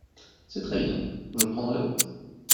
C’est très bien… je prendrai l’autre !…